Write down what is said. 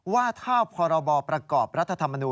ว่าถ้าพรบประกอบรัฐธรรมนูล